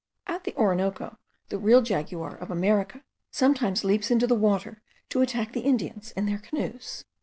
At the Orinoco, the real jaguar of America sometimes leaps into the water, to attack the Indians in their canoes.